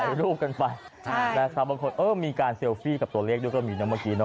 รูปกันไปนะครับบางคนเออมีการเซลฟี่กับตัวเลขด้วยก็มีนะเมื่อกี้เนา